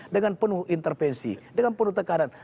dengan penuh intervensi dengan penuh tekanan